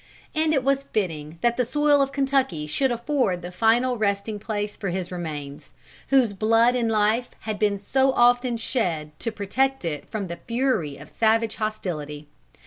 And it was fitting that the soil of Kentucky should afford the final resting place for his remains, whose blood in life had been so often shed to protect it from the fury of savage hostility.